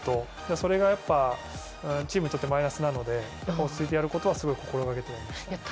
それがやっぱりチームにとってマイナスなので落ち着いてやることはすごく心がけていました。